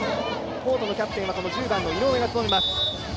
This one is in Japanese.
コートのキャプテンは１０番の井上が務めます。